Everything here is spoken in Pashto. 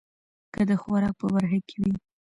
که د خوراک په برخه کې وي